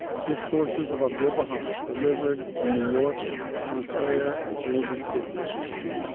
Discourses of Abdul Baha delivered in New York, Montclair and Jersey City.